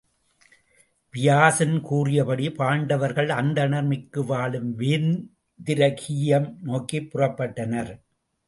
வியாசன் கூறியபடி பாண்டவர்கள் அந்தணர் மிக்கு வாழும் வேந்திரகீயம் நோக்கிப் புறப்பட்டனர்.